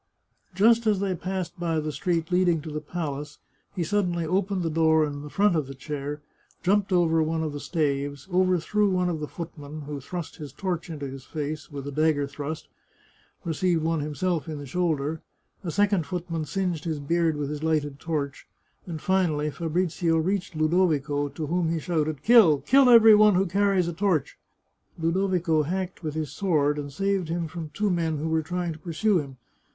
Just as they passed by the street leading to the palace he suddenly opened the door in the front of the chair, jumped over one of the staves, overthrew one of the footmen, who thrust his torch into his face, with a dagger thrust, received one him self in the shoulder, a second footman singed his beard with his lighted torch, and finally, Fabrizio reached Ludovico, to whom he shouted, " Kill ! kill every one who carries a torch !" Ludovico hacked with his sword, and saved him from two men who were trying to pursue him.